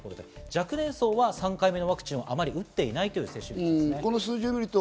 若年層は３回目ワクチンをあまり打っていないという接種率です。